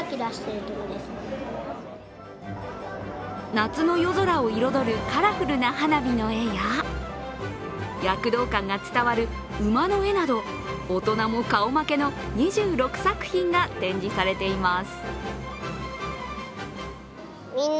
夏の夜空を彩るカラフルな花火の絵や躍動感が伝わる馬の絵など大人も顔負けの２６作品が展示されています。